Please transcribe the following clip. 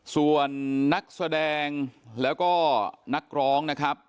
ส่วนนักแสดงแล้วก็นักร้องนะครับ